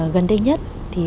gần đây nhất